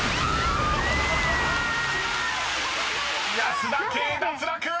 ［保田圭脱落！］